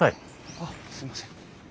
あっすいません。